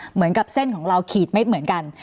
เหมือนกับเส้นของเราขีดไม่เหมือนกัน